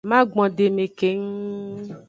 Magbondeme keng.